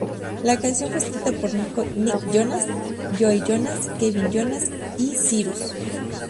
La canción fue escrita por Nick Jonas, Joe Jonas, Kevin Jonas, y Cyrus.